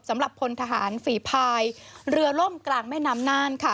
สำหรับพลทหารฝีพายเรือล่มกลางแม่น้ำน่านค่ะ